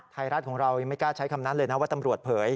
ไทยรัฐของเรายังไม่กล้าใช้คำนั้นเลยนะว่าตำรวจเผย